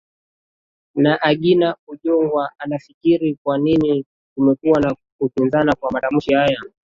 na agina ojwang unafikiri kwa nini kumekuwa na kukinzana kwa matamshi haya